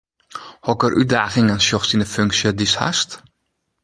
Hokker útdagingen sjochst yn ’e funksje dy’tst hast?